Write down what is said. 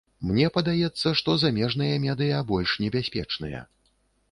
Мне падаецца, што замежныя медыя больш небяспечныя.